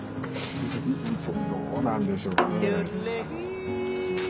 どうなんでしょうね。